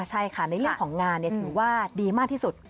ใช่ค่ะในเรื่องของงานถือว่าดีมากที่สุด